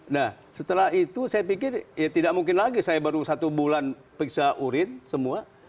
nah setelah itu saya pikir ya tidak mungkin lagi saya baru satu bulan periksa urin semua